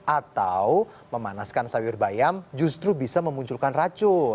atau memanaskan sayur bayam justru bisa memunculkan racun